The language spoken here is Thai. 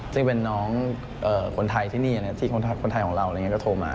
ซึ่งเป็นน้องคนไทยที่นี่ที่คนไทยของเราก็โทรมา